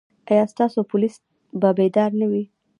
ایا ستاسو پولیس به بیدار نه وي؟